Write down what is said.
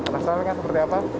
masalahnya seperti apa